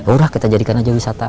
udah kita jadikan aja wisata